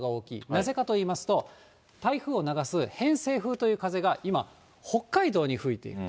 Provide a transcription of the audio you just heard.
なぜかといいますと、台風を流す偏西風という風が今、北海道に吹いている。